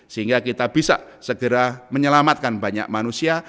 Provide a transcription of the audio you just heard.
sehingga kita bisa segera menyelamatkan banyak manusia